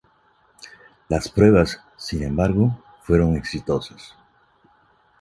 Las pruebas, sin embargo, fueron exitosas.